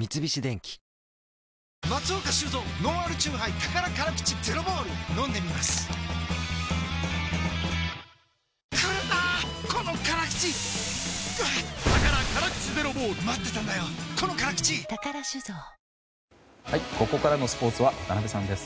三菱電機ここからのスポーツは渡辺さんです。